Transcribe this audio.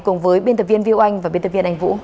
cùng với biên tập viên viu anh và biên tập viên anh vũ